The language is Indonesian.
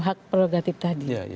hak prerogatif tadi